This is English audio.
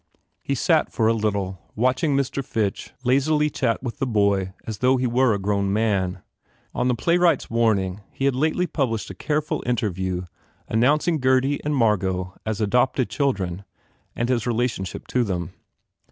He sat for a little watching Mr. Fitch lazily chat with the boy as though he were a grown man. 50 FULL BLOOM On the playwright s warning he had lately published a careful interview announcing Gurdy and Margot as adopted children and his relation ship to them.